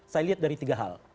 saya lihat dari tiga hal